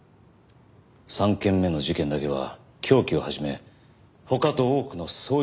３件目の事件だけは凶器を始め他と多くの相違点があった。